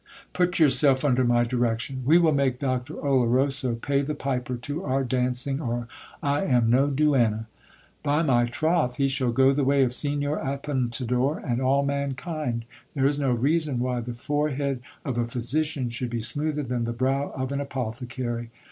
Put yourself under my direction. We will make Doctor Oloroso pay the piper to our dancing, or I am no duenna. By my troth, he shall go the way of Signor Apuntador and all mankind. There is no reason why the forehead of a phy sician should be smoother than the brow of an apothecary.